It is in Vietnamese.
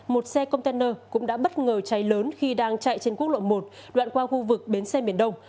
một xe container cũng đã bất ngờ cháy lớn khi đang chạy trên quốc lộ một đoạn qua khu vực bến xe miền đông